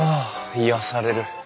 癒やされる。